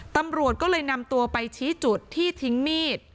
ตำรวจก็เลยนำตัวไปชี้จุดที่ทิ้งมีด